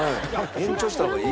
延長した方がいい。